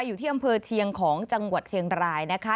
อยู่ที่อำเภอเชียงของจังหวัดเชียงรายนะคะ